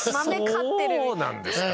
そうなんですか。